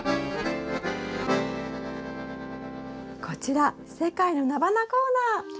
こちら世界のナバナコーナー！